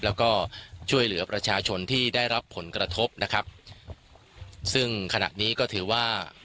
แล้วก็ช่วยเหลือประชาชนที่ได้รับผลกระทบนะครับซึ่งขณะนี้ก็ถือว่า